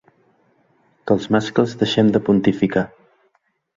Que els mascles deixem de pontificar.